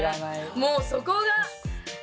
もうそこが！